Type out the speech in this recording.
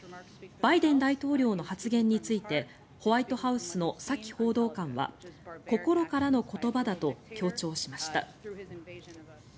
バイデン大統領の発言についてホワイトハウスのサキ報道官は心からの言葉だと強調しました。